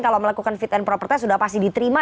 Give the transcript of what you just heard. kalau melakukan fit and propertas sudah pasti diterima